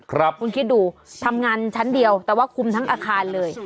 คุณคิดดูทำงานชั้นเดียวแต่ว่าคุมทั้งอาคารเลย